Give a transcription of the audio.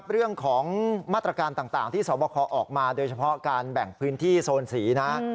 เรื่องของมาตรการต่างที่สวบคอออกมาโดยเฉพาะการแบ่งพื้นที่โซนสีนะ